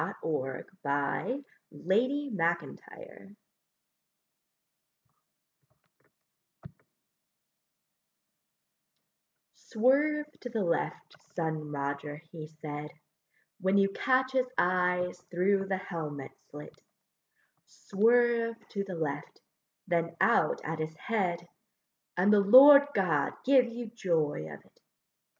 _ THE JUDGMENT OF GOD Swerve to the left, son Roger, he said, When you catch his eyes through the helmet slit, Swerve to the left, then out at his head, And the Lord God give you joy of it!